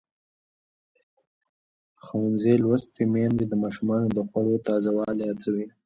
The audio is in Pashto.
ښوونځې لوستې میندې د ماشومانو د خوړو تازه والی ارزوي.